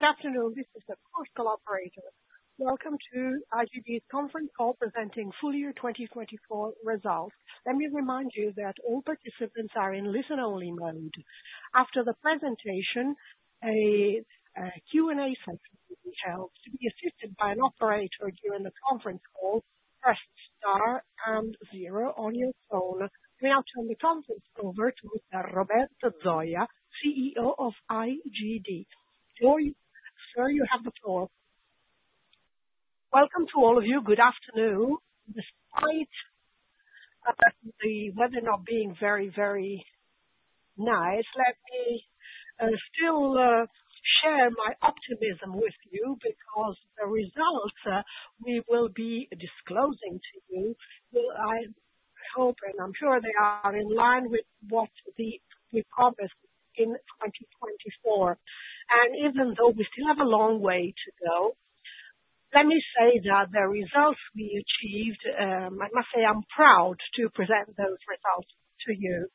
Good afternoon. This is the protocol operator. Welcome to IGD's conference call presenting full year 2024 results. Let me remind you that all participants are in listen-only mode. After the presentation, a Q&A session will be held. To be assisted by an operator during the conference call, press star and zero on your phone. We now turn the conference over to Mr. Roberto Zoia, CEO of IGD. Sir, you have the floor. Welcome to all of you. Good afternoon. Despite the webinar being very, very nice, let me still share my optimism with you because the results we will be disclosing to you, I hope, and I'm sure they are in line with what we promised in 2024. Even though we still have a long way to go, let me say that the results we achieved, I must say I'm proud to present those results to you.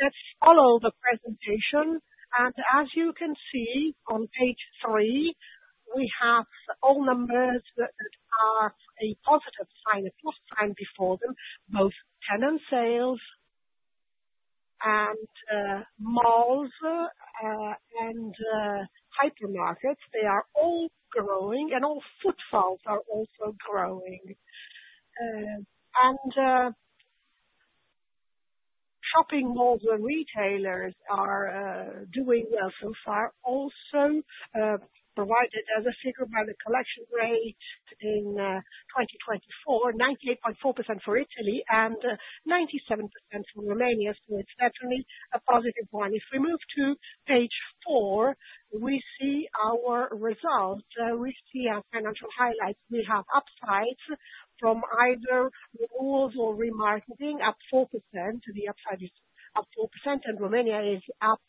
Let's follow the presentation. As you can see on page three, we have all numbers that are a positive sign, a plus sign before them, both tenant sales and malls and hypermarkets. They are all growing, and all footfalls are also growing. Shopping malls and retailers are doing well so far. Also, provided as a figure by the collection rate in 2024, 98.4% for Italy and 97% for Romania, so it's definitely a positive one. If we move to page four, we see our result. We see our financial highlights. We have upsides from either renewals or remarketing, up 4%. The upside is up 4%, and Romania is up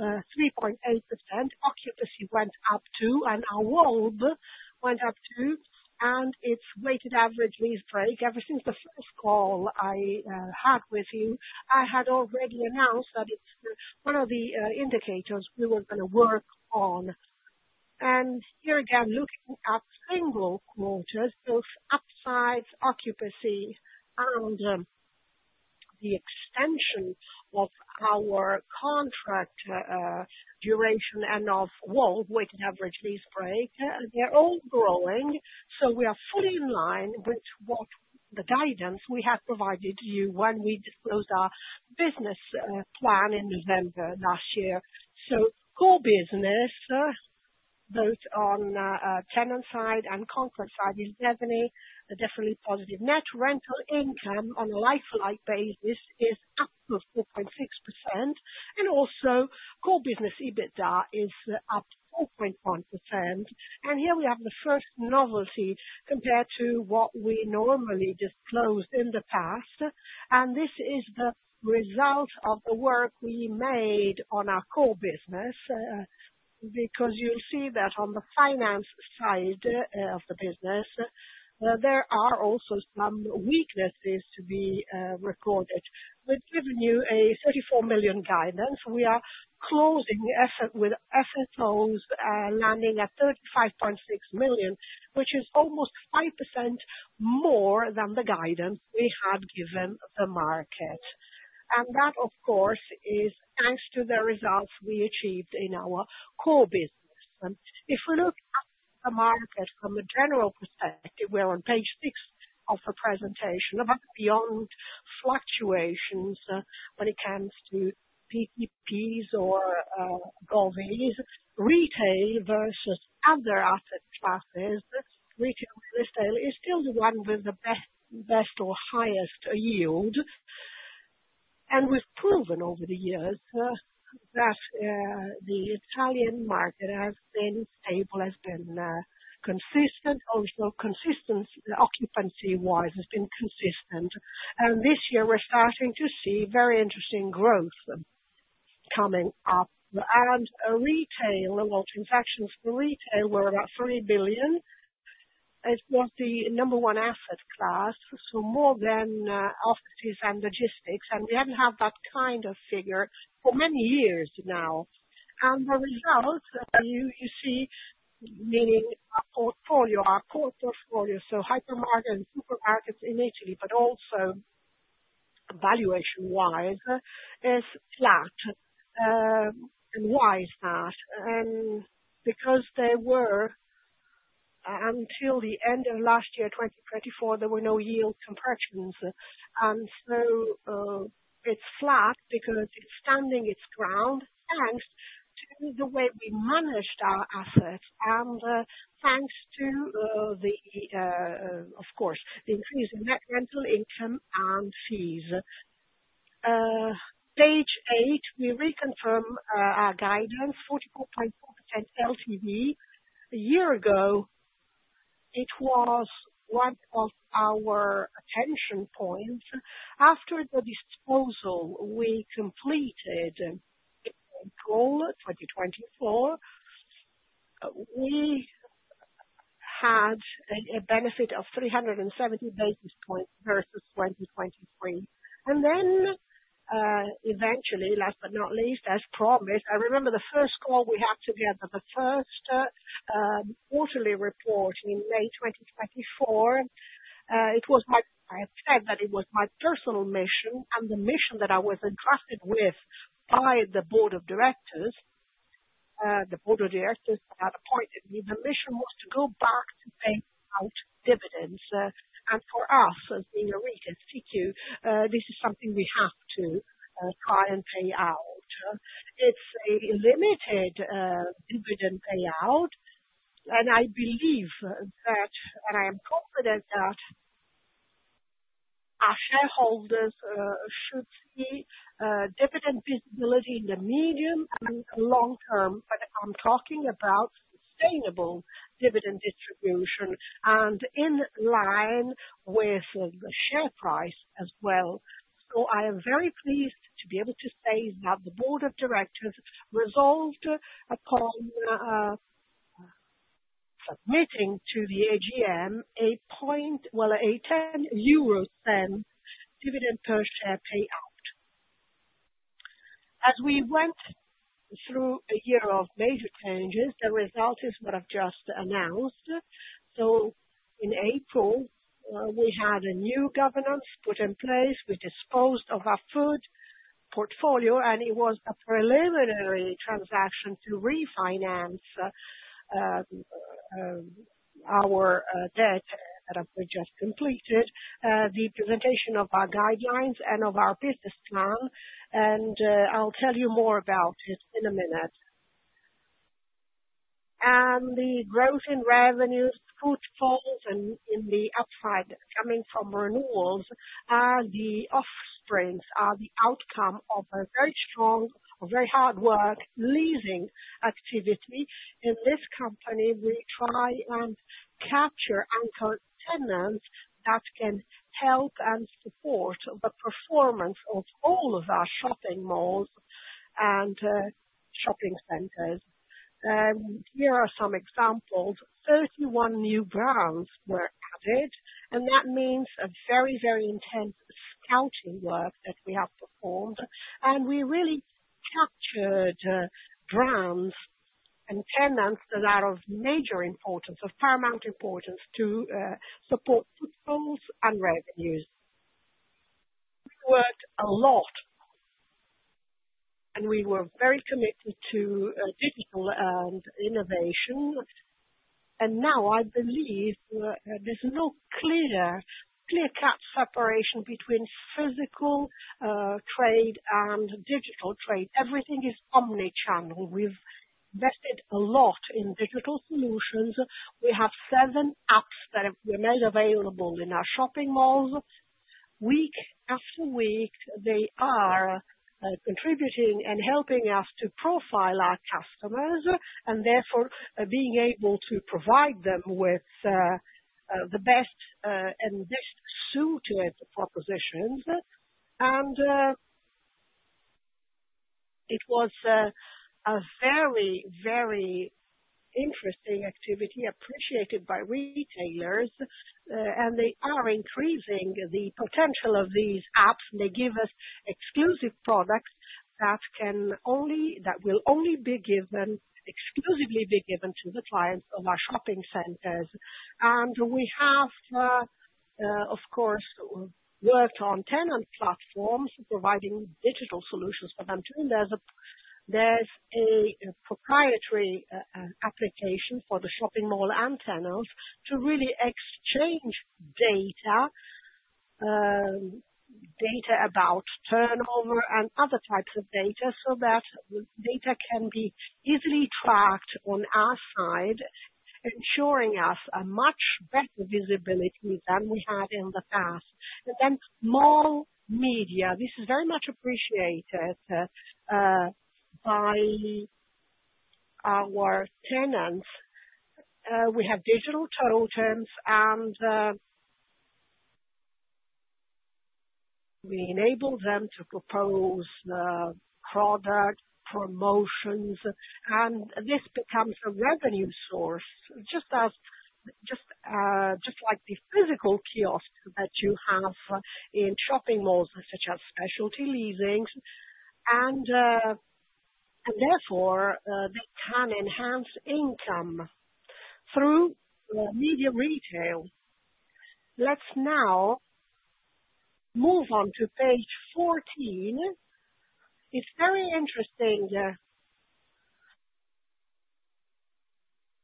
3.8%. Occupancy went up too, and our WAULT went up too. It is weighted average lease break. Ever since the first call I had with you, I had already announced that it's one of the indicators we were going to work on. Here again, looking at single quarters, both upsides, occupancy, and the extension of our contract duration and of WAULT weighted average lease break, they're all growing. We are fully in line with the guidance we had provided to you when we disclosed our business plan in November last year. Core business, both on tenant side and contract side, is definitely positive. Net rental income on a like-for-like basis is up to 4.6%. Also, core business EBITDA is up 4.1%. Here we have the first novelty compared to what we normally disclosed in the past. This is the result of the work we made on our core business because you'll see that on the finance side of the business, there are also some weaknesses to be recorded. We've given you a 34 million guidance. We are closing with FFOs landing at 35.6 million, which is almost 5% more than the guidance we had given the market. That, of course, is thanks to the results we achieved in our core business. If we look at the market from a general perspective, we're on page six of the presentation, about beyond fluctuations when it comes to BTPs or GOVTs. Retail versus other asset classes, retail real estate is still the one with the best or highest yield. We've proven over the years that the Italian market has been stable, has been consistent. Also, consistency occupancy-wise has been consistent. This year, we're starting to see very interesting growth coming up. Retail, transactions for retail were about 3 billion. It was the number one asset class, more than offices and logistics. We haven't had that kind of figure for many years now. The result, you see, meaning our portfolio, our core portfolio, hypermarkets and supermarkets in Italy, but also valuation-wise, is flat. Why is that? Because there were, until the end of last year, 2024, no yield compressions. It's flat because it's standing its ground thanks to the way we managed our assets and thanks to, of course, the increase in net rental income and fees. Page eight, we reconfirm our guidance, 44.4% LTV. A year ago, it was one of our attention points. After the disposal we completed in April 2024, we had a benefit of 370 basis points versus 2023. Eventually, last but not least, as promised, I remember the first call we had together, the first quarterly report in May 2024. I have said that it was my personal mission and the mission that I was addressed with by the board of directors. The board of directors that appointed me, the mission was to go back to pay out dividends. For us, as being a retail SIIQ, this is something we have to try and pay out. It is a limited dividend payout. I believe that, and I am confident that our shareholders should see dividend visibility in the medium and long term, but I am talking about sustainable dividend distribution and in line with the share price as well. I am very pleased to be able to say that the board of directors resolved upon submitting to the AGM a point, a 0.10 dividend per share payout. As we went through a year of major changes, the result is what I've just announced. In April, we had a new governance put in place. We disposed of our food portfolio, and it was a preliminary transaction to refinance our debt that we just completed, the presentation of our guidelines and of our business plan. I'll tell you more about it in a minute. The growth in revenues, footfalls, and in the upside coming from renewals are the offsprings, are the outcome of a very strong, very hard work, leasing activity. In this company, we try and capture anchor tenants that can help and support the performance of all of our shopping malls and shopping centers. Here are some examples. Thirty-one new brands were added, and that means a very, very intense scouting work that we have performed. We really captured brands and tenants that are of major importance, of paramount importance to support footfalls and revenues. We worked a lot, and we were very committed to digital innovation. I believe there's no clear-cut separation between physical trade and digital trade. Everything is omnichannel. We've invested a lot in digital solutions. We have seven apps that were made available in our shopping malls. Week after week, they are contributing and helping us to profile our customers and therefore being able to provide them with the best and best-suited propositions. It was a very, very interesting activity appreciated by retailers. They are increasing the potential of these apps. They give us exclusive products that will only be given, exclusively be given to the clients of our shopping centers. We have, of course, worked on tenant platforms providing digital solutions. There is a proprietary application for the shopping mall antennas to really exchange data, data about turnover and other types of data so that data can be easily tracked on our side, ensuring us a much better visibility than we had in the past. Mall media is very much appreciated by our tenants. We have digital totems, and we enable them to propose product promotions. This becomes a revenue source, just like the physical kiosks that you have in shopping malls such as specialty leasings. Therefore, they can enhance income through media retail. Let's now move on to page 14. It's very interesting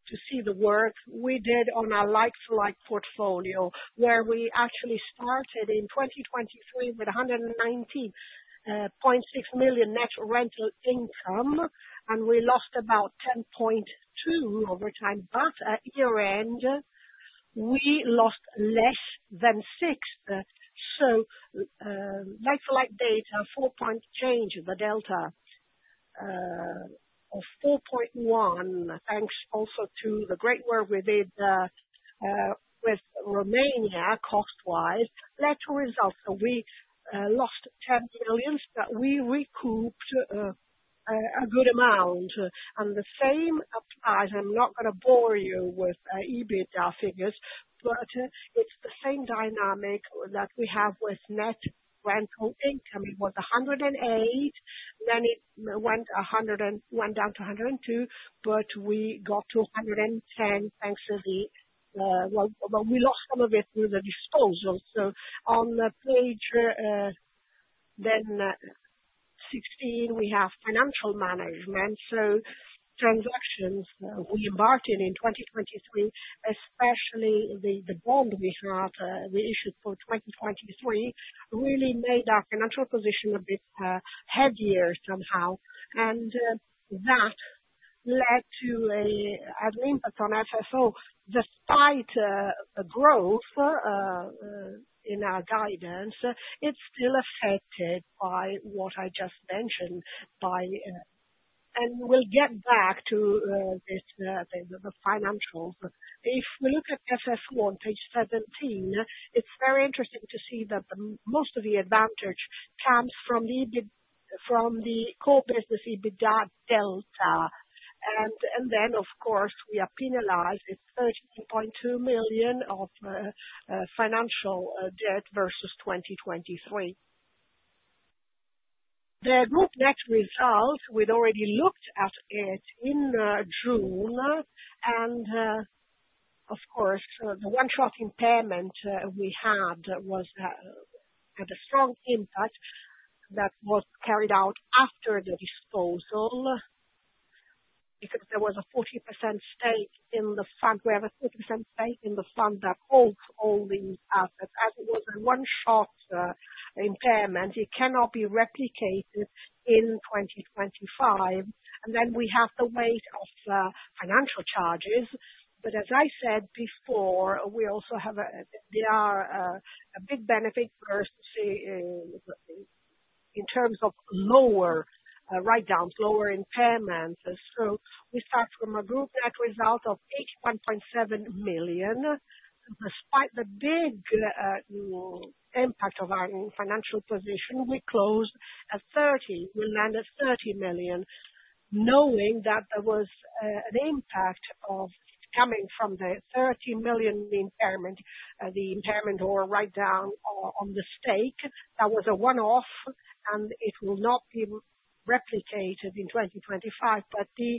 to see the work we did on our like-for-like portfolio, where we actually started in 2023 with 119.6 million net rental income, and we lost about 10.2 million over time. At year-end, we lost less than 6 million. Like-for-like data, 4 point change, the delta of 4.1, thanks also to the great work we did with Romania cost-wise. Let's results. We lost 10 million, but we recouped a good amount. The same applies. I'm not going to bore you with EBITDA figures, but it's the same dynamic that we have with net rental income. It was 108 million, then it went down to 102 million, but we got to 110 million thanks to the, we lost some of it through the disposal. On page 16, we have financial management. Transactions we embarked in in 2023, especially the bond we issued for 2023, really made our financial position a bit heavier somehow. That led to an impact on FFO. Despite the growth in our guidance, it's still affected by what I just mentioned. We'll get back to the financials. If we look at FFO on page 17, it's very interesting to see that most of the advantage comes from the core business EBITDA delta. Of course, we are penalized at 13.2 million of financial debt versus 2023. The group net result, we'd already looked at it in June. The one-shot impediment we had had a strong impact that was carried out after the disposal because there was a 40% stake in the fund. We have a 40% stake in the fund that holds all these assets. As it was a one-shot impairment, it cannot be replicated in 2025. We have the weight of financial charges. As I said before, we also have a big benefit in terms of lower write-downs, lower impairments. We start from a group net result of 81.7 million. Despite the big impact of our financial position, we closed at 30 million. We landed 30 million, knowing that there was an impact coming from the 30 million impairment, the impairment or write-down on the stake. That was a one-off, and it will not be replicated in 2025. The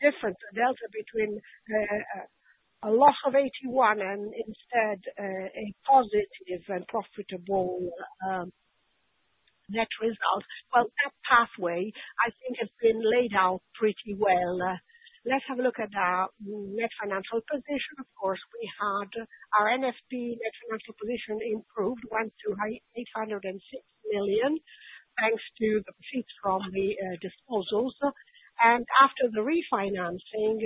difference, the delta between a loss of 81 million and instead a positive and profitable net result, that pathway, I think, has been laid out pretty well. Let's have a look at our net financial position. Of course, we had our NFP net financial position improved, went to 806 million thanks to the receipts from the disposals. After the refinancing,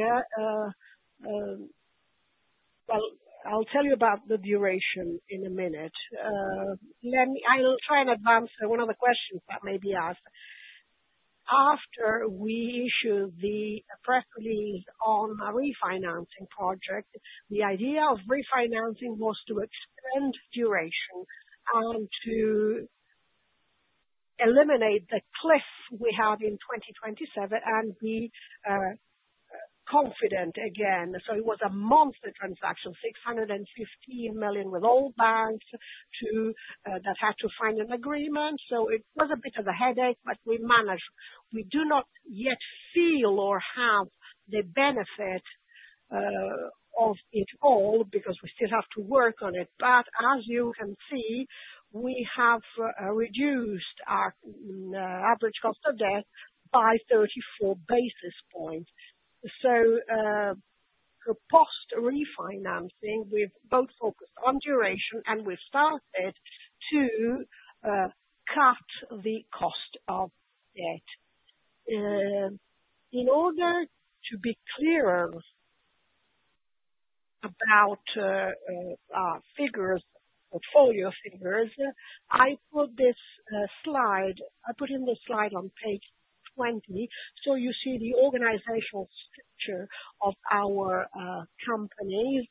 I will tell you about the duration in a minute. I will try and advance one of the questions that may be asked. After we issued the press release on our refinancing project, the idea of refinancing was to extend duration and to eliminate the cliff we had in 2027. We are confident again. It was a monthly transaction, 615 million with all banks that had to find an agreement. It was a bit of a headache, but we managed. We do not yet feel or have the benefit of it all because we still have to work on it. As you can see, we have reduced our average cost of debt by 34 basis points. Post-refinancing, we've both focused on duration, and we've started to cut the cost of debt. In order to be clearer about our figures, portfolio figures, I put this slide. I put in this slide on page 20. You see the organizational structure of our companies.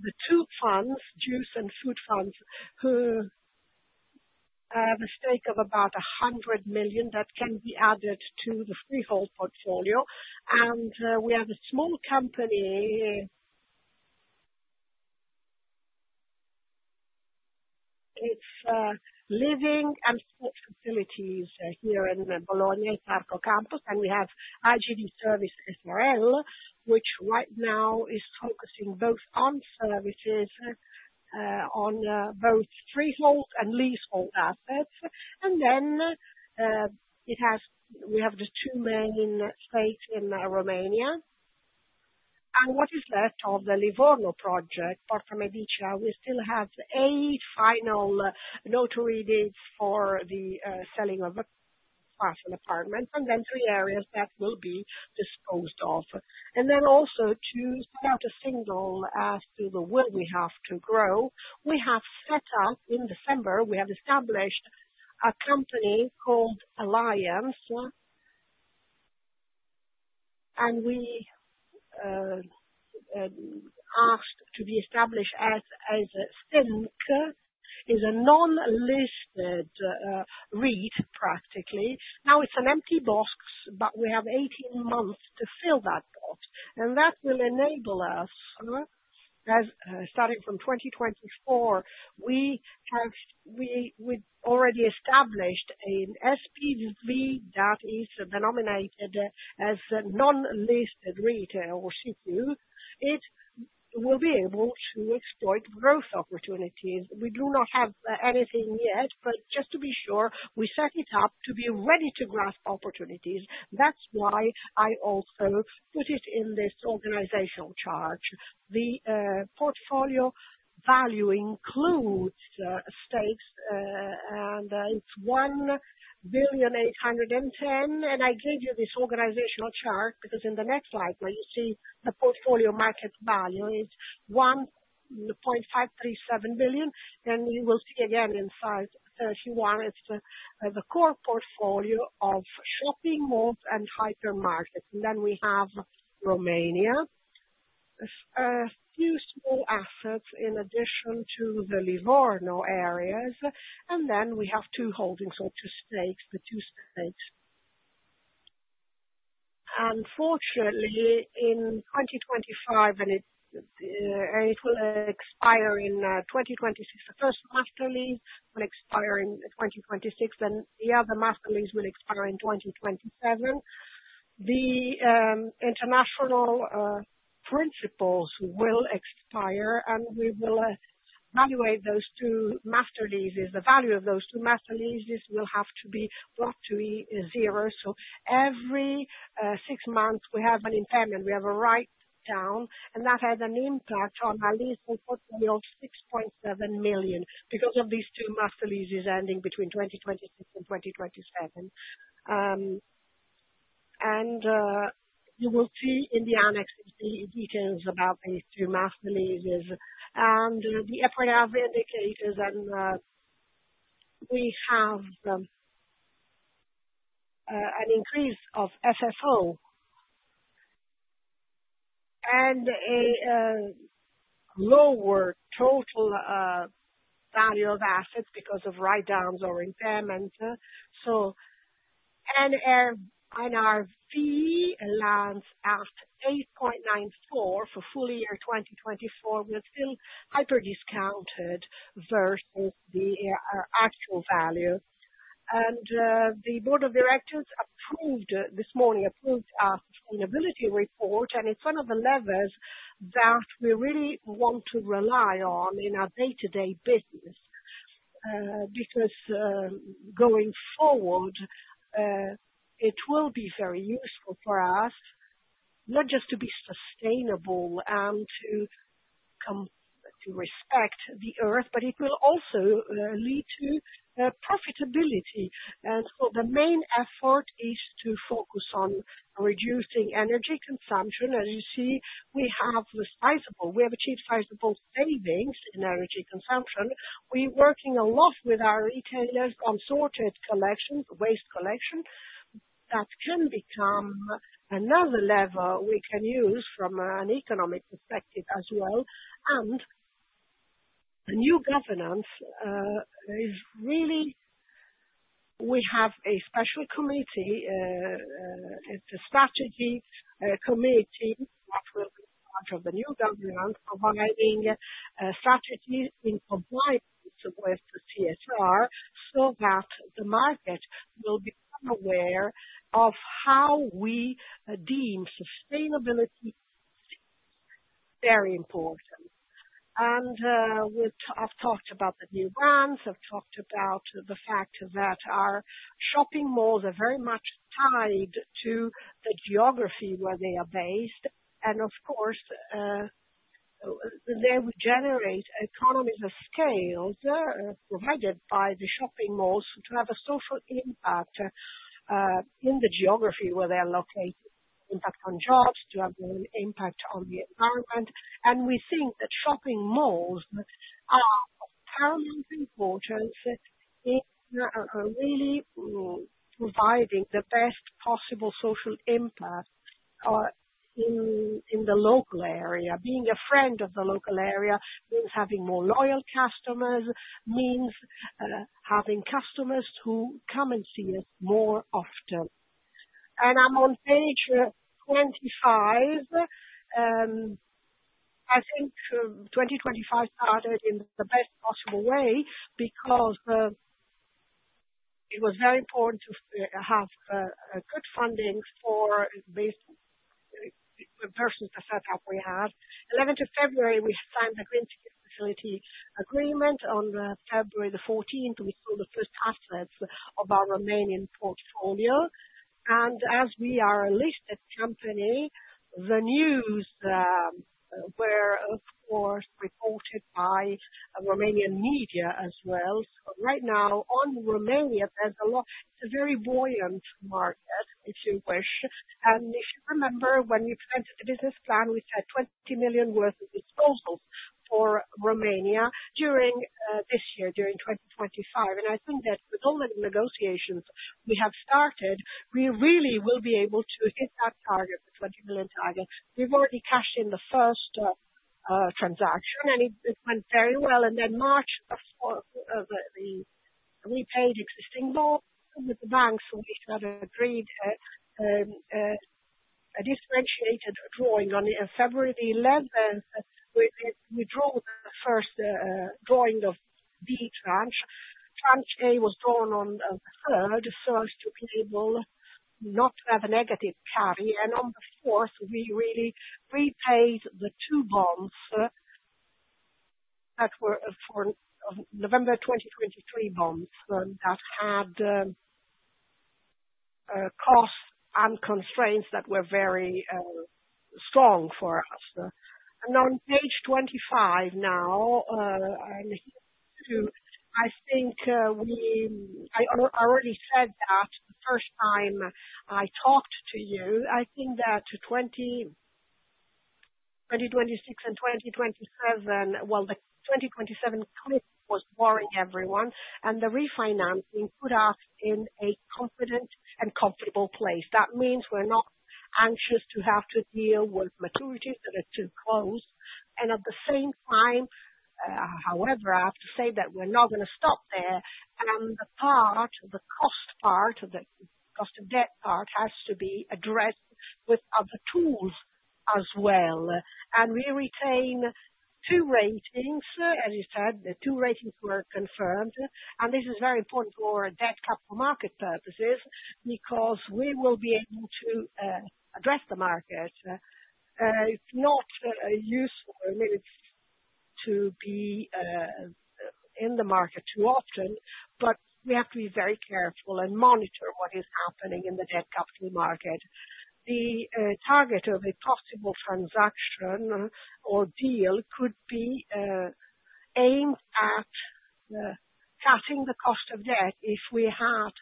The two funds, Zeus and Food Funds, who have a stake of about 100 million that can be added to the freehold portfolio. We have a small company. It's living and sports facilities here in Bologna, Parco Camplus. We have IGD Service S.r.L., which right now is focusing both on services, on both freehold and leasehold assets. We have the two main states in Romania. What is left of the Livorno project, Porta Medicea, we still have eight final notary deeds for the selling of a parcel apartment and three areas that will be disposed of. Also, to send out a signal as to the will we have to grow. We have set up in December. We have established a company called Allianz. We asked to be established as a SIIQ. It's a non-listed REIT, practically. Now it's an empty box, but we have 18 months to fill that box. That will enable us, starting from 2024, we already established an SPV that is denominated as a non-listed retail or SPV. It will be able to exploit growth opportunities. We do not have anything yet, but just to be sure, we set it up to be ready to grasp opportunities. That's why I also put it in this organizational chart. The portfolio value includes stakes, and it's 1.81 billion. I gave you this organizational chart because in the next slide, where you see the portfolio market value, it's 1.537 billion. You will see again in slide 31, it's the core portfolio of shopping malls and hypermarkets. We have Romania, a few small assets in addition to the Livorno areas. We have two holdings, so two stakes, the two stakes. Unfortunately, in 2025, and it will expire in 2026, the first master lease will expire in 2026, and the other master lease will expire in 2027. The international principals will expire, and we will evaluate those two master leases. The value of those two master leases will have to be brought to zero. Every six months, we have an impairment. We have a write-down, and that has an impact on our leasehold portfolio of 6.7 million because of these two master leases ending between 2026 and 2027. You will see in the annex details about these two master leases and the EPRA indicators. We have an increase of FFO and a lower total value of assets because of write-downs or impairments. NRV lands at 8.94 for full year 2024. We're still hyper-discounted versus the actual value. The board of directors approved this morning, approved our sustainability report. It's one of the levers that we really want to rely on in our day-to-day business because going forward, it will be very useful for us, not just to be sustainable and to respect the earth, but it will also lead to profitability. The main effort is to focus on reducing energy consumption. As you see, we have achieved sizable savings in energy consumption. We're working a lot with our retailers on sorted collection, waste collection. That can become another lever we can use from an economic perspective as well. The new governance is really, we have a special committee. It is a strategy committee that will be part of the new governance, providing strategies in compliance with the CSR so that the market will become aware of how we deem sustainability very important. I have talked about the new brands. I have talked about the fact that our shopping malls are very much tied to the geography where they are based. Of course, they will generate economies of scale provided by the shopping malls to have a social impact in the geography where they are located, impact on jobs, to have an impact on the environment. We think that shopping malls are of paramount importance in really providing the best possible social impact in the local area. Being a friend of the local area means having more loyal customers, means having customers who come and see us more often. I'm on page 25. I think 2025 started in the best possible way because it was very important to have good funding for versus the setup we had. On 11 February, we signed the Green Secured Facility Agreement. On February 14, we sold the first assets of our Romanian portfolio. As we are a listed company, the news were, of course, reported by Romanian media as well. Right now, on Romania, there's a lot. It's a very buoyant market, if you wish. If you remember, when we presented the business plan, we said 20 million worth of disposals for Romania during this year, during 2025. I think that with all the negotiations we have started, we really will be able to hit that target, the 20 million target. We have already cashed in the first transaction, and it went very well. In March, we paid existing loans with the banks, so we had agreed a differentiated drawing on February 11. We drew the first drawing of B tranche. Tranche A was drawn on the 3rd, so as to be able not to have a negative carry. On the 4th, we really repaid the two bonds that were for November 2023, bonds that had costs and constraints that were very strong for us. On page 25 now, I think I already said that the first time I talked to you. I think that 2026 and 2027, 2027 cliff was boring everyone. The refinancing put us in a confident and comfortable place. That means we're not anxious to have to deal with maturities that are too close. At the same time, however, I have to say that we're not going to stop there. The cost part, the cost of debt part has to be addressed with other tools as well. We retain two ratings. As you said, the two ratings were confirmed. This is very important for debt capital market purposes because we will be able to address the market. It's not useful to be in the market too often, but we have to be very careful and monitor what is happening in the debt capital market. The target of a possible transaction or deal could be aimed at cutting the cost of debt if we had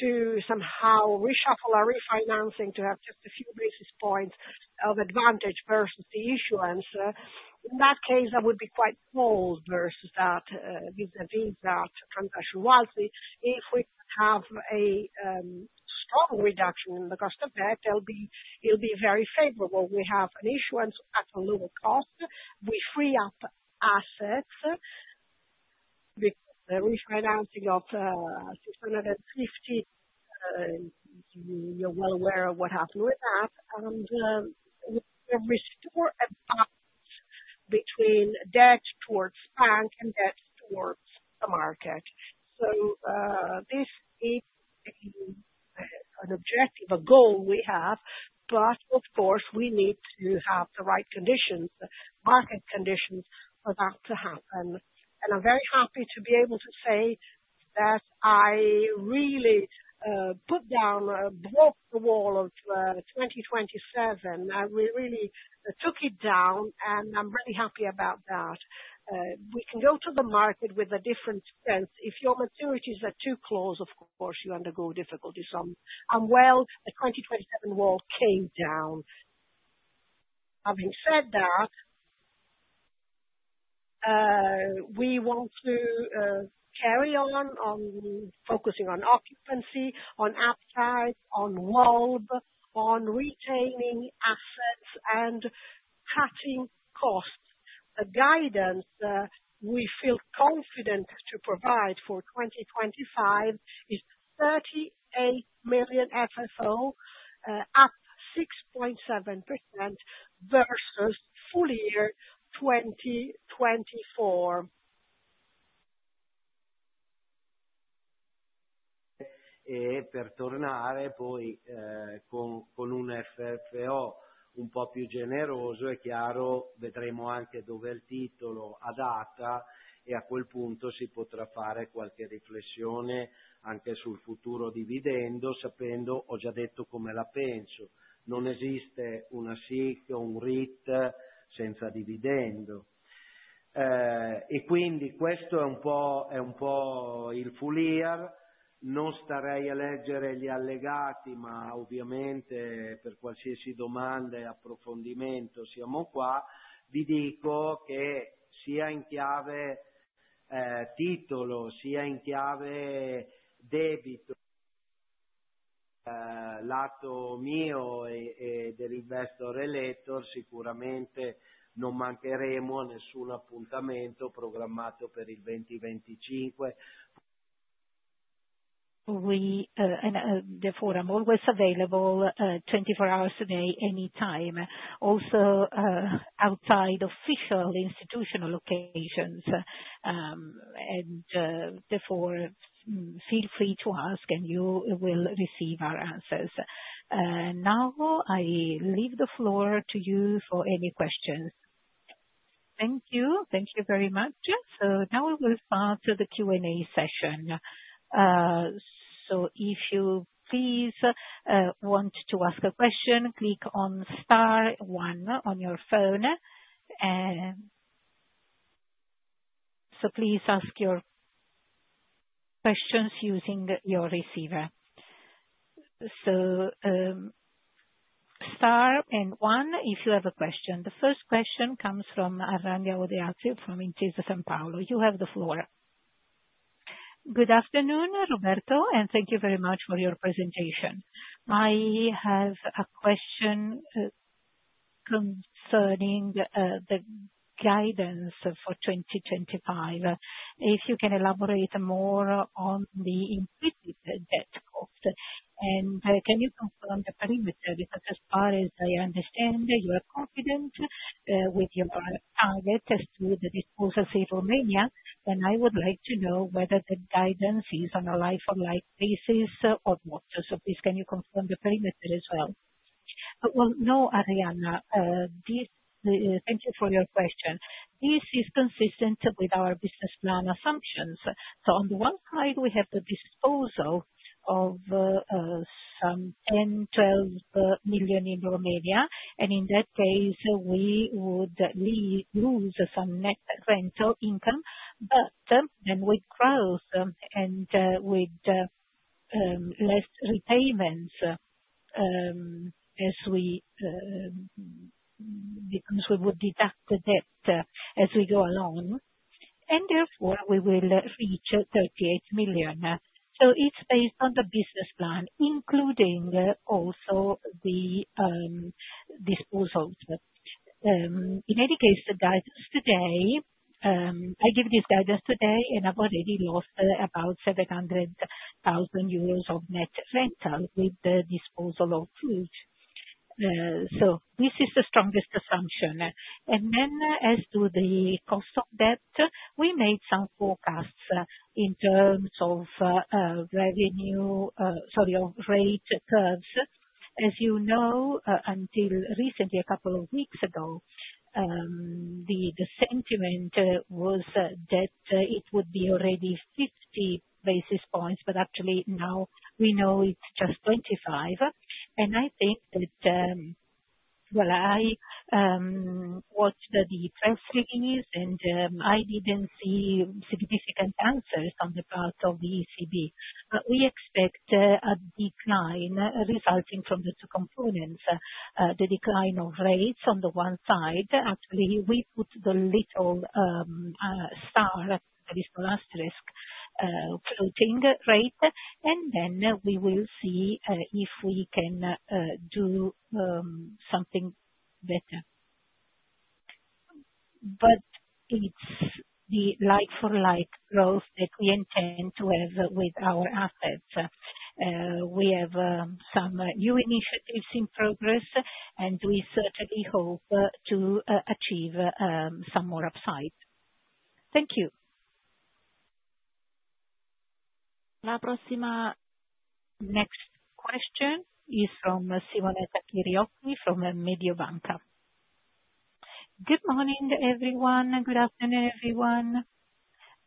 to somehow reshuffle our refinancing to have just a few basis points of advantage versus the issuance. In that case, that would be quite cold versus that vis-à-vis that transactionality. If we have a strong reduction in the cost of debt, it'll be very favorable. We have an issuance at a lower cost. We free up assets with the refinancing of 650 million. You're well aware of what happened with that. We restore a balance between debt towards bank and debt towards the market. This is an objective, a goal we have. Of course, we need to have the right conditions, market conditions for that to happen. I am very happy to be able to say that I really put down, broke the WAULT of 2027. We really took it down, and I'm really happy about that. We can go to the market with a different sense. If your maturities are too close, of course, you undergo difficulties. The 2027 WAULT came down. Having said that, we want to carry on focusing on occupancy, on appetite, on WAULT, on retaining assets, and cutting costs. The guidance we feel confident to provide for 2025 is 38 million FFO, up 6.7% versus full year 2024. [E per tornare poi con un FFO un po' più generoso, è chiaro, vedremo anche dov'è il titolo a data e a quel punto si potrà fare qualche riflessione anche sul futuro dividendo, sapendo, ho già detto come la penso. Non esiste una SIIQ o un REIT senza dividendo. E quindi questo è un po' il full year.] [Non starei a leggere gli allegati, ma ovviamente per qualsiasi domanda e approfondimento siamo qua. Vi dico che sia in chiave titolo, sia in chiave debito, lato mio e dell'investor elector, sicuramente non mancheremo a nessun appuntamento programmato per il 2025.] We therefore, I'm always available 24 hours a day, anytime, also outside official institutional locations. Therefore, feel free to ask, and you will receive our answers. Now I leave the floor to you for any questions. Thank you. Thank you very much. Now we will start the Q&A session. If you please want to ask a question, click on star one on your phone. Please ask your questions using your receiver. Star and one if you have a question. The first question comes from Arianna Terazzi from Intesa Sanpaolo. You have the floor. Good afternoon, Roberto, and thank you very much for your presentation. I have a question concerning the guidance for 2025. If you can elaborate more on the implicit debt cost. Can you confirm the perimeter? Because as far as I understand, you are confident with your target through the disposal in Romania. I would like to know whether the guidance is on a like-for-like basis or not. Please can you confirm the perimeter as well? No, Arianna. Thank you for your question. This is consistent with our business plan assumptions. On the one side, we have the disposal of some 10-12 million in Romania. In that case, we would lose some net rental income, but then with growth and with less repayments as we would deduct the debt as we go along. Therefore, we will reach 38 million. It is based on the business plan, including also the disposals. In any case, the guidance today, I give this guidance today, and I have already lost about 700,000 euros of net rental with the disposal of Food. This is the strongest assumption. As to the cost of debt, we made some forecasts in terms of revenue, sorry, of rate curves. As you know, until recently, a couple of weeks ago, the sentiment was that it would be already 50 basis points, but actually now we know it is just 25. I think that, I watched the press release, and I did not see significant answers on the part of the ECB. We expect a decline resulting from the two components. The decline of rates on the one side. Actually, we put the little star that is no asterisk floating rate, and then we will see if we can do something better. But it's the like-for-like growth that we intend to have with our assets. We have some new initiatives in progress, and we certainly hope to achieve some more upside. Thank you. La prossima next question is from Simonetta Chiriotti from Mediobanca. Good morning, everyone. Good afternoon, everyone.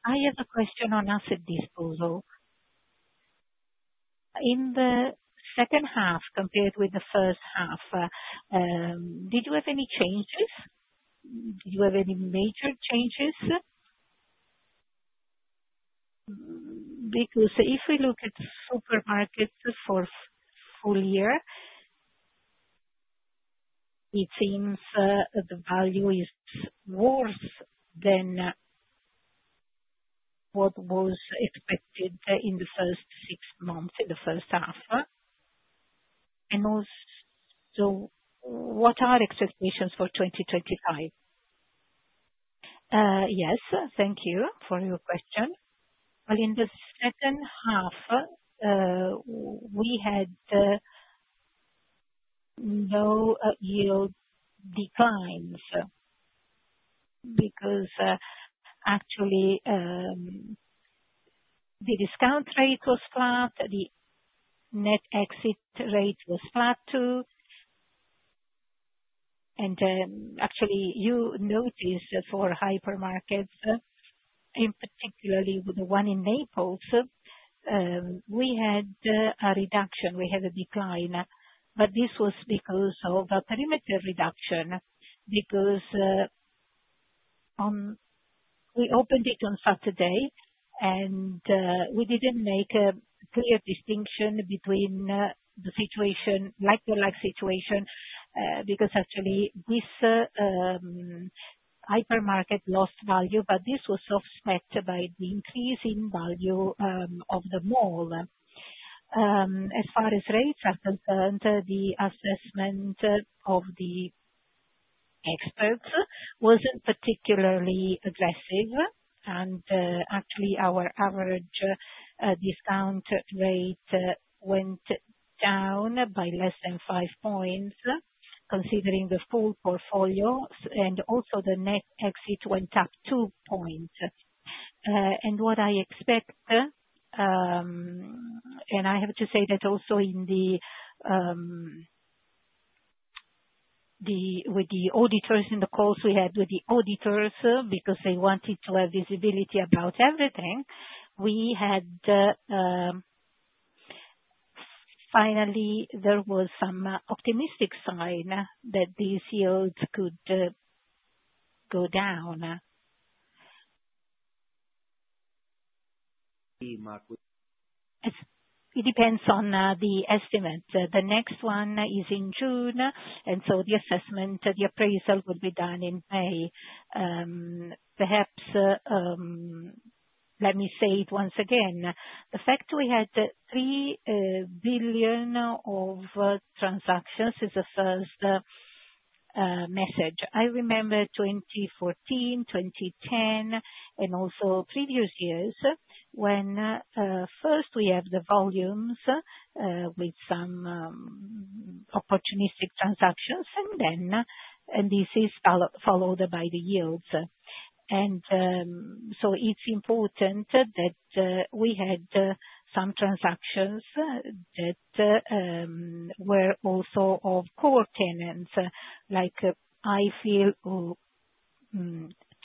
I have a question on asset disposal. In the second half compared with the first half, did you have any changes? Did you have any major changes? Because if we look at supermarkets for full year, it seems the value is worse than what was expected in the first six months, in the first half. And also, what are expectations for 2025? Yes, thank you for your question. In the second half, we had no yield declines because actually the discount rate was flat, the net exit rate was flat too. Actually, you noticed for hypermarkets, in particularly the one in Naples, we had a reduction. We had a decline. This was because of a perimeter reduction because we opened it on Saturday, and we did not make a clear distinction between the situation, like-for-like situation, because actually this hypermarket lost value, but this was offset by the increase in value of the mall. As far as rates are concerned, the assessment of the experts was not particularly aggressive. Actually, our average discount rate went down by less than five basis points, considering the full portfolio, and also the net exit went up two basis points. What I expect, and I have to say that also with the auditors in the calls we had with the auditors because they wanted to have visibility about everything, we had finally there was some optimistic sign that these yields could go down. [Sì, Marco]. It depends on the estimate. The next one is in June, and so the assessment, the appraisal would be done in May. Perhaps let me say it once again. The fact we had 3 billion of transactions is the first message. I remember 2014, 2010, and also previous years when first we have the volumes with some opportunistic transactions, and then this is followed by the yields. It is important that we had some transactions that were also of core tenants, like I feel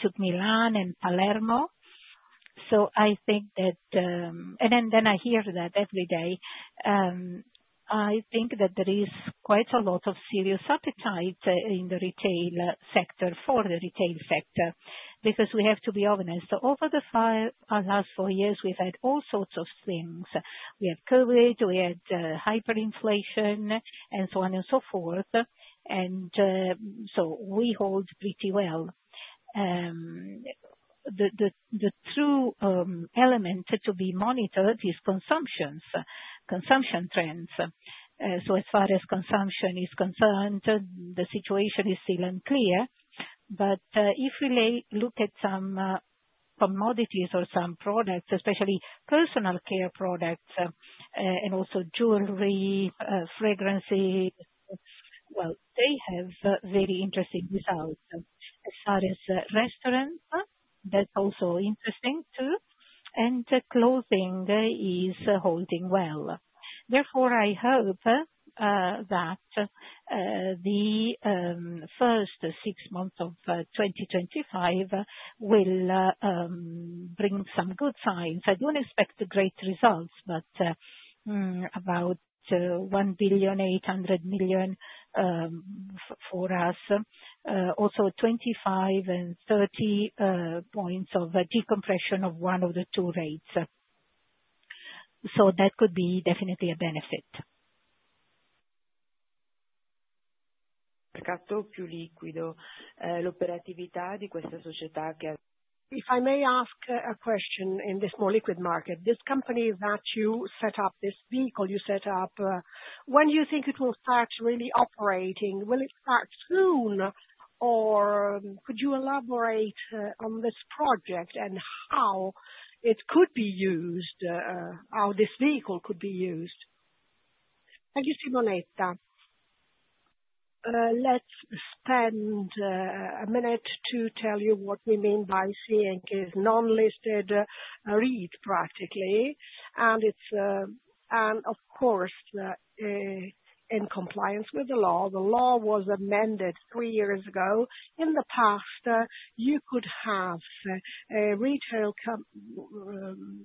took Milan and Palermo. I think that, and then I hear that every day, I think that there is quite a lot of serious appetite in the retail sector for the retail sector because we have to be honest. Over the last four years, we've had all sorts of things. We have COVID, we had hyperinflation, and so on and so forth. We hold pretty well. The true element to be monitored is consumption, consumption trends. As far as consumption is concerned, the situation is still unclear. If we look at some commodities or some products, especially personal care products and also jewelry, fragrances, they have very interesting results. As far as restaurants, that's also interesting too. Clothing is holding well. Therefore, I hope that the first six months of 2025 will bring some good signs. I don't expect great results, but about 1 billion, 800 million for us. Also 25 and 30 points of decompression of one of the two rates. That could be definitely a benefit. [Mercato più liquido. L'operatività di questa società che.] If I may ask a question in this more liquid market, this company that you set up, this vehicle you set up, when do you think it will start really operating? Will it start soon, or could you elaborate on this project and how it could be used, how this vehicle could be used? Thank you, Simonetta. Let's spend a minute to tell you what we mean by SIIQ is non-listed REIT practically. Of course, in compliance with the law, the law was amended three years ago. In the past, you could have a retail company;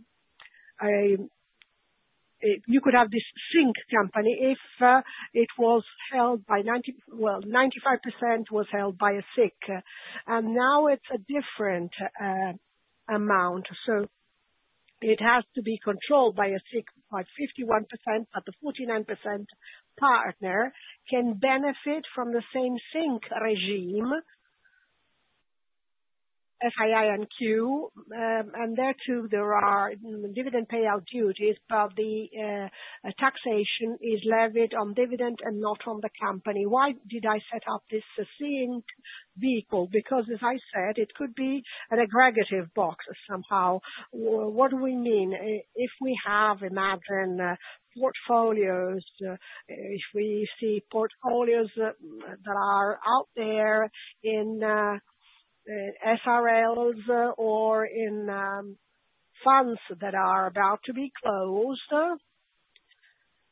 you could have this SIIQ company if it was held by, well, 95% was held by a SIIQ. Now it is a different amount. It has to be controlled by a SIIQ by 51%, but the 49% partner can benefit from the same SIIQ regime, SIINQ, and there too there are dividend payout duties, but the taxation is levied on dividend and not on the company. Why did I set up this SIIQ vehicle? Because, as I said, it could be an aggregative box somehow. What do we mean? If we have, imagine, portfolios, if we see portfolios that are out there in SRLs or in funds that are about to be closed,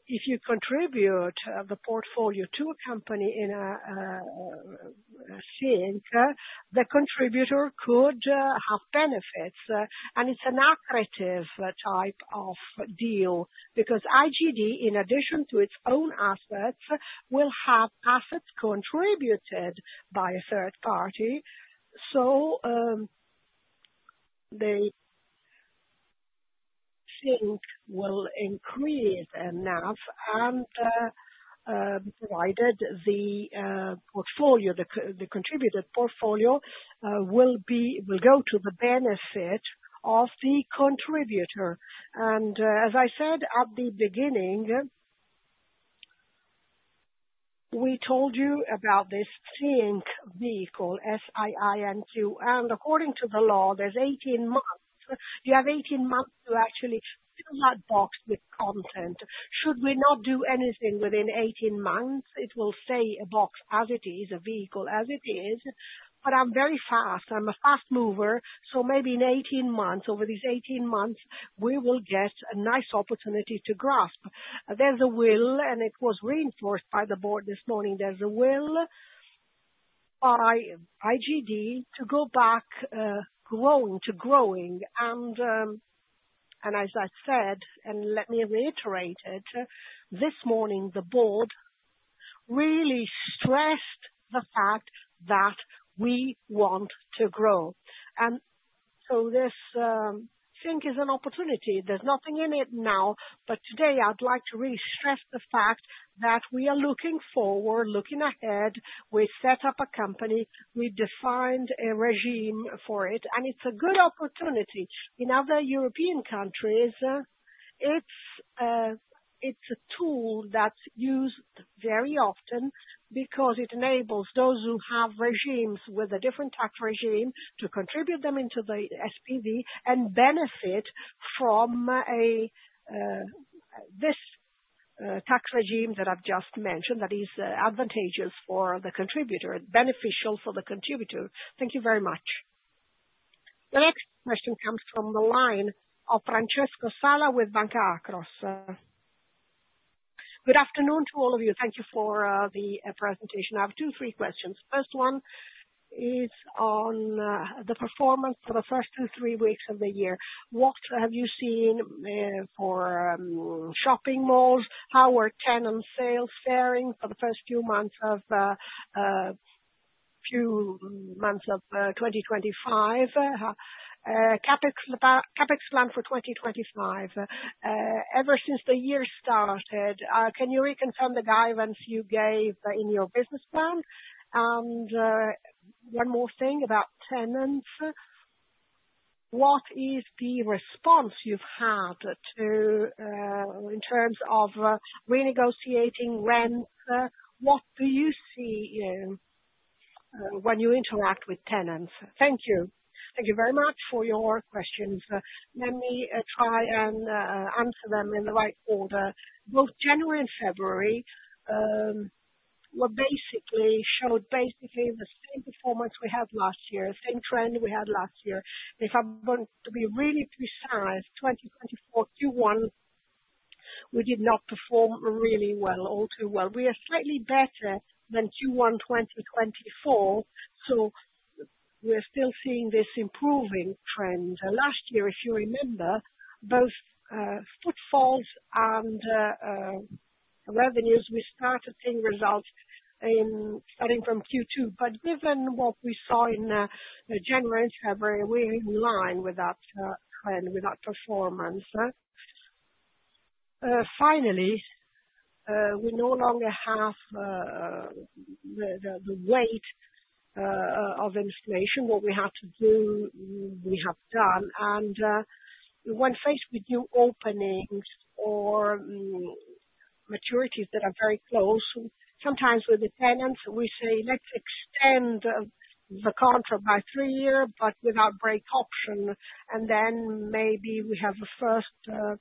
if you contribute the portfolio to a company in a SIIQ, the contributor could have benefits. It is an aggregative type of deal because IGD, in addition to its own assets, will have assets contributed by a third party. The SIIQ will increase enough and provided the portfolio, the contributed portfolio will go to the benefit of the contributor. As I said at the beginning, we told you about this SIINQ vehicle, SIINQ, and according to the law, there are 18 months. You have 18 months to actually fill that box with content. Should we not do anything within 18 months, it will stay a box as it is, a vehicle as it is. I am very fast. I am a fast mover. Maybe in 18 months, over these 18 months, we will get a nice opportunity to grasp. There is a will, and it was reinforced by the board this morning. There is a will by IGD to go back to growing. As I said, let me reiterate it, this morning the board really stressed the fact that we want to grow. This SIIQ is an opportunity. There is nothing in it now, but today I would like to really stress the fact that we are looking forward, looking ahead. We set up a company. We defined a regime for it, and it is a good opportunity. In other European countries, it is a tool that is used very often because it enables those who have regimes with a different tax regime to contribute them into the SPV and benefit from this tax regime that I have just mentioned that is advantageous for the contributor, beneficial for the contributor. Thank you very much. The next question comes from the line of Francesco Sala with Banca Akros. Good afternoon to all of you. Thank you for the presentation. I have two, three questions. First one is on the performance for the first two, three weeks of the year. What have you seen for shopping malls? How are tenant sales faring for the first few months of 2025? CapEx plan for 2025. Ever since the year started, can you reconfirm the guidance you gave in your business plan? One more thing about tenants. What is the response you've had in terms of renegotiating rents? What do you see when you interact with tenants? Thank you. Thank you very much for your questions. Let me try and answer them in the right order. Both January and February basically showed the same performance we had last year, same trend we had last year. If I'm going to be really precise, 2024 Q1, we did not perform really well, all too well. We are slightly better than Q1 2024, so we're still seeing this improving trend. Last year, if you remember, both footfalls and revenues, we started seeing results starting from Q2. Given what we saw in January and February, we're in line with that trend, with that performance. Finally, we no longer have the weight of inflation, what we had to do, we have done. When faced with new openings or maturities that are very close, sometimes with the tenants, we say, "Let's extend the contract by three years, but without break option." Maybe we have a first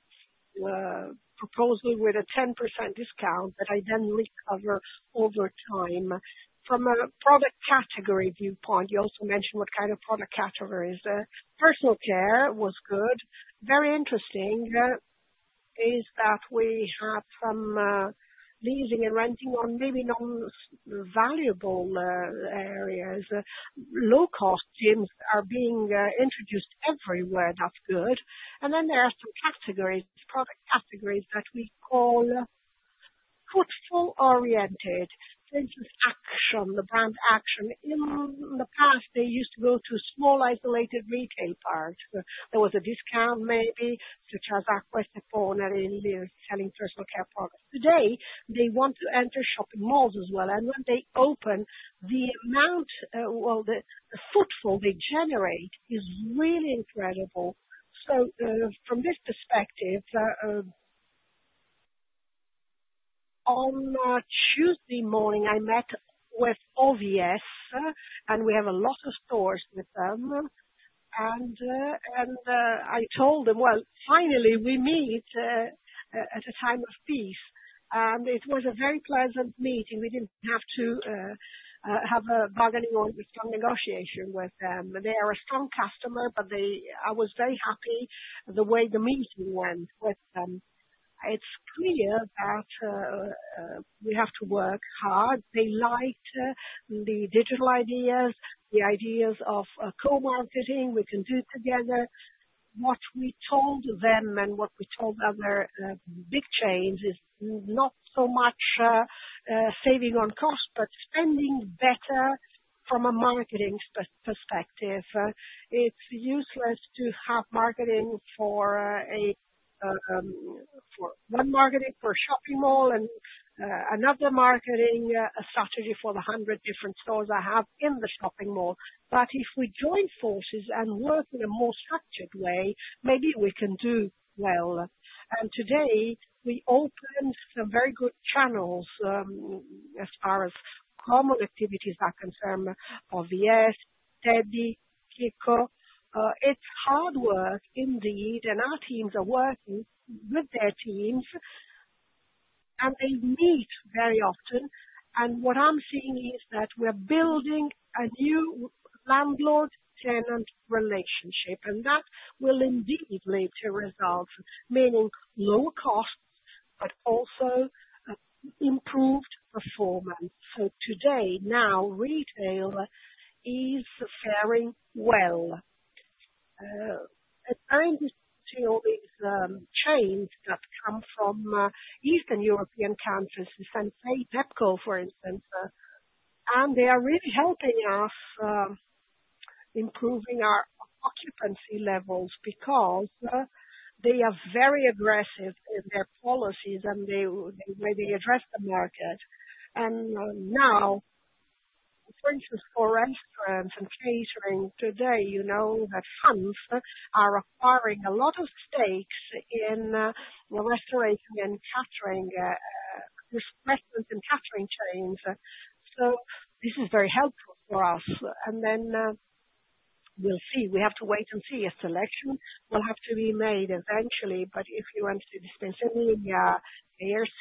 proposal with a 10% discount that I then recover over time. From a product category viewpoint, you also mentioned what kind of product categories. Personal care was good. Very interesting is that we have some leasing and renting on maybe non-valuable areas. Low-cost gyms are being introduced everywhere. That's good. There are some categories, product categories that we call footfall-oriented, for instance, Action, the brand Action. In the past, they used to go to small, isolated retail parts. There was a discount may to transact Quest [or partner in] selling personal care products. Today, they want to enter shopping malls as well. When they open, the amount, the footfall they generate is really incredible. From this perspective, on Tuesday morning, I met with OVS, and we have a lot of stores with them. I told them, "Well, finally, we meet at a time of peace." It was a very pleasant meeting. We did not have to have a bargaining or strong negotiation with them. They are a strong customer, but I was very happy the way the meeting went with them. It's clear that we have to work hard. They liked the digital ideas, the ideas of co-marketing we can do together. What we told them and what we told other big chains is not so much saving on cost, but spending better from a marketing perspective. It's useless to have marketing for one marketing for a shopping mall and another marketing strategy for the 100 different stores I have in the shopping mall. If we join forces and work in a more structured way, maybe we can do well. Today, we opened some very good channels as far as common activities that concern OVS, Tebie, Kiko. It's hard work indeed, and our teams are working with their teams, and they meet very often. What I'm seeing is that we're building a new landlord-tenant relationship, and that will indeed lead to results, meaning lower costs, but also improved performance. Today, now, retail is faring well. I'm just talking to all these chains that come from Eastern European countries, Sinsay, Pepco, for instance, and they are really helping us improving our occupancy levels because they are very aggressive in their policies and the way they address the market. For restaurants and catering today, the funds are acquiring a lot of stakes in the restoration and catering restaurants and catering chains. This is very helpful for us. We have to wait and see. A selection will have to be made eventually. If you went to the special media, ARC,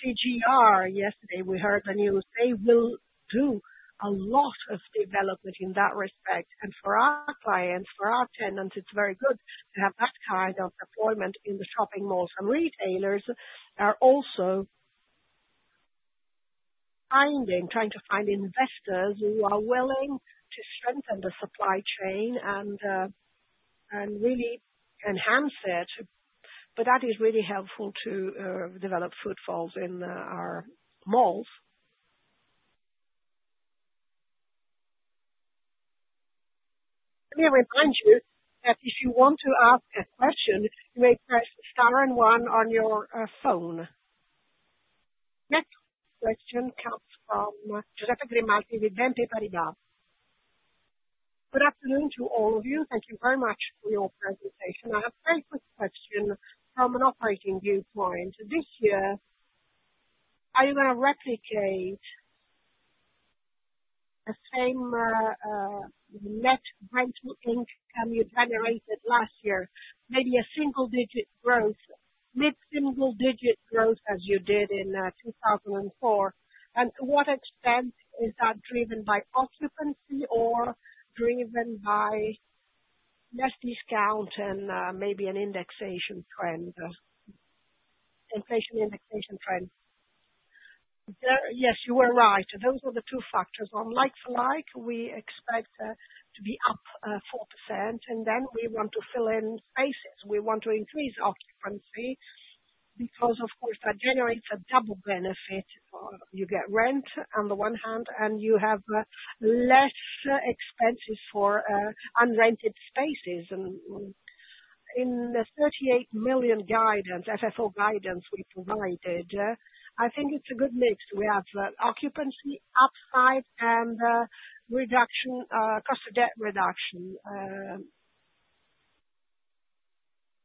CGR yesterday, we heard the news. They will do a lot of development in that respect. For our clients, for our tenants, it's very good to have that kind of deployment in the shopping malls. Retailers are also trying to find investors who are willing to strengthen the supply chain and really enhance it. That is really helpful to develop footfalls in our malls. Let me remind you that if you want to ask a question, you may press star and one on your phone. Next question comes from Giuseppe Grimaldi. Good afternoon to all of you. Thank you very much for your presentation. I have a very quick question from an operating viewpoint. This year, are you going to replicate the same net rental income you generated last year? Maybe a single-digit growth, mid-single-digit growth as you did in 2004. To what extent is that driven by occupancy or driven by net discount and maybe an indexation trend? Inflation indexation trend. Yes, you were right. Those were the two factorswith BNP Paribas. On like-for-like, we expect to be up 4%, and then we want to fill in spaces. We want to increase occupancy because, of course, that generates a double benefit. You get rent on the one hand, and you have less expenses for unrented spaces. In the 38 million FFO guidance we provided, I think it's a good mix. We have occupancy upside and reduction, cost of debt reduction.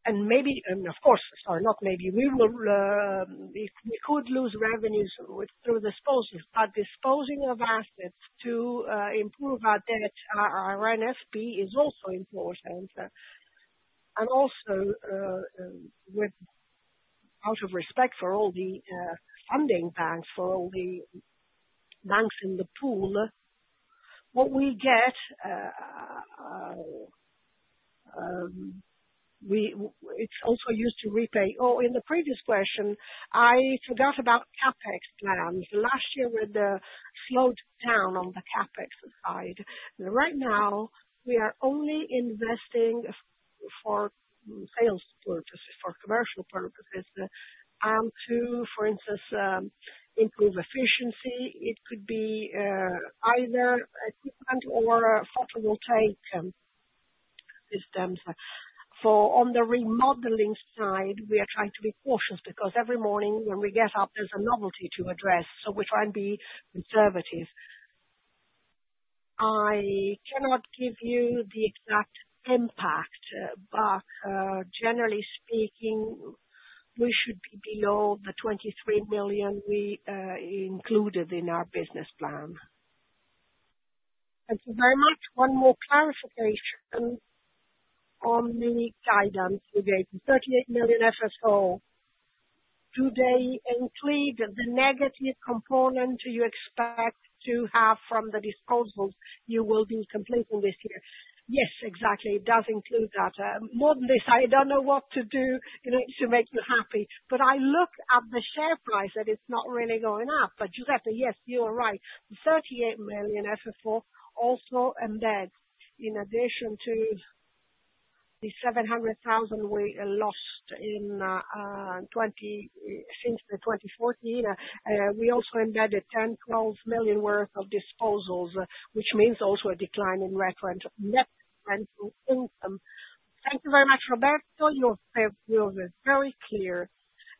Of course, sorry, not maybe, we could lose revenues through disposal. Disposing of assets to improve our debt, our NFP is also important. Also, out of respect for all the funding banks, for all the banks in the pool, what we get, it's also used to repay. In the previous question, I forgot about CapEx plans. Last year, we had a slowed down on the CapEx side. Right now, we are only investing for sales purposes, for commercial purposes, and to, for instance, improve efficiency. It could be either equipment or photovoltaic systems. For on the remodeling side, we are trying to be cautious because every morning when we get up, there is a novelty to address. We try and be conservative. I cannot give you the exact impact, but generally speaking, we should be below the 23 million we included in our business plan. Thank you very much. One more clarification on the guidance you gave. The 38 million FFO, do they include the negative component you expect to have from the disposals you will be completing this year? Yes, exactly. It does include that. More than this, I do not know what to do to make you happy. I look at the share price that it is not really going up. Giuseppe, yes, you are right. The 38 million FFO also embeds, in addition to the 700,000 we lost since 2014, we also embedded 10-12 million worth of disposals, which means also a decline in net rental income. Thank you very much, Roberto. You were very clear.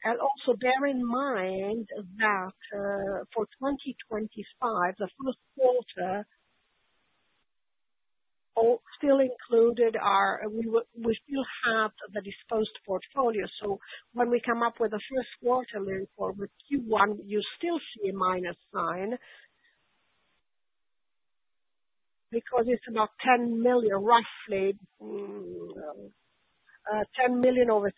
Also bear in mind that for 2025, the first quarter still included our, we still have the disposed portfolio. When we come up with the first quarter report with Q1, you still see a minus sign because it is about 10 million, roughly 10 million over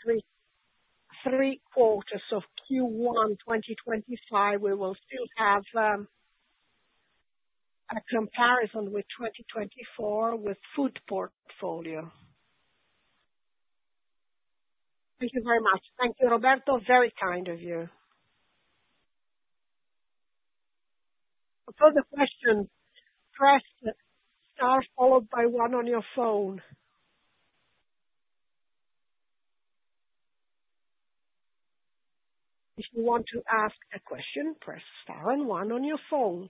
three quarters of Q1 2025. We will still have a comparison with 2024 with food portfolio. Thank you very much. Thank you, Roberto. Very kind of you. For further questions, press star followed by one on your phone. If you want to ask a question, press star and one on your phone.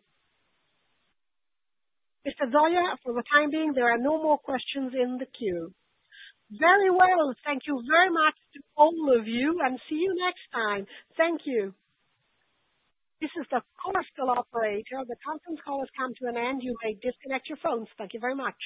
Mr. Zoia, for the time being, there are no more questions in the queue. Very well. Thank you very much to all of you and see you next time. Thank you. The call is still operated. The conference call has come to an end. You may disconnect your phones. Thank you very much.